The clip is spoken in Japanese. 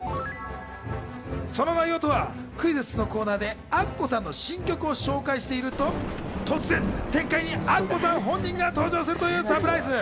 その内容とはクイズッスのコーナーでアッコさんの新曲を紹介していると突然、天界にアッコさん本人が登場するというサプライズ。